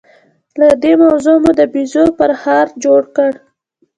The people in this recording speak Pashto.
له دې موضوع مو د بيزو پرهار جوړ کړ.